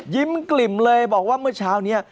กลิ่มเลยบอกว่าเมื่อเช้านี้